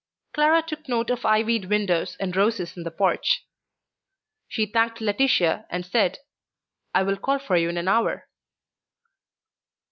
Clara took note of ivied windows and roses in the porch. She thanked Laetitia and said: "I will call for you in an hour."